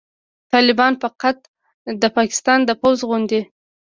طالبان فقط د پاکستان د پوځ غوندې